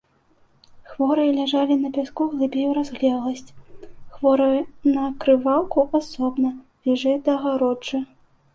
Хворыя ляжалі на пяску глыбей у разлегласць, хворыя на крываўку асобна, бліжэй да агароджы.